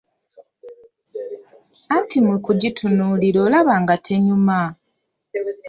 Anti mu kugitunuulira olaba nga tenyuma.